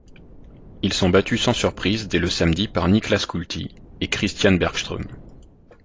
Ils sont battus sans surprise dès le samedi par Nicklas Kulti et Christian Bergström.